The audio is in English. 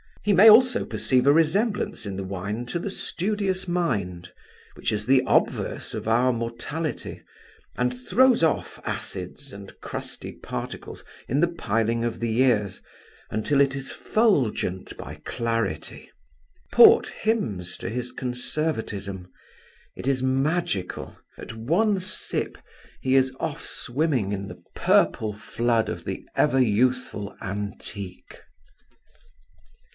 He may also perceive a resemblance in the wine to the studious mind, which is the obverse of our mortality, and throws off acids and crusty particles in the piling of the years, until it is fulgent by clarity. Port hymns to his conservatism. It is magical: at one sip he is off swimming in the purple flood of the ever youthful antique.